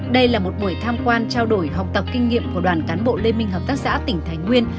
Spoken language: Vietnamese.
đây là một buổi tham quan trao đổi học tập kinh nghiệm của đoàn cán bộ liên minh hợp tác xã tỉnh thái nguyên